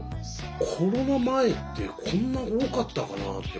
コロナ前ってこんな多かったかなって考えるぐらいに。